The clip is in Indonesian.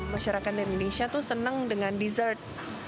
masyarakat di indonesia tuh senang dengan dessert